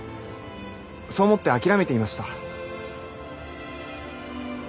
そう思って諦めていました。